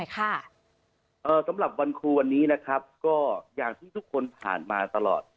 คุณครูวันนี้นะครับก็อย่างที่ทุกคนผ่านมาตลอด